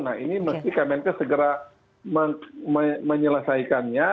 nah ini mesti kemenkes segera menyelesaikannya